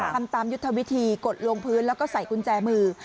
ทำตามยุทธวิธีกดลงพื้นแล้วก็ใส่กุญแจมือ